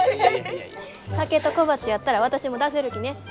酒と小鉢やったら私も出せるきね。